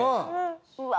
うわ！